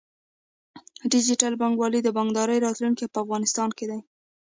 ډیجیټل بانکوالي د بانکدارۍ راتلونکی په افغانستان کې دی۔